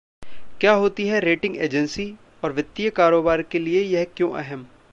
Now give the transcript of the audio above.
क्या होती है रेटिंग एजेंसी, और वित्तीय कारोबार के लिए यह क्यों अहम?